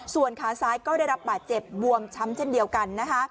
ส่วนขาซ้ายก็ได้รับบาดเจ็บบวมช้ำเช่นเดียวกันนะคะ